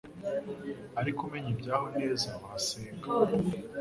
ark umenye ibyaho neza wasenga